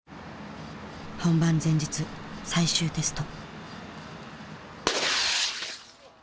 本番前日最終テスト。